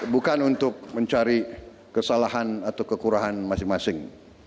bukan untuk mencari kesalahan atau kekurahan masing masing